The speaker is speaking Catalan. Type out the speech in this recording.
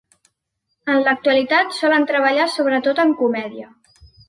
En l'actualitat solen treballar sobretot en comèdia.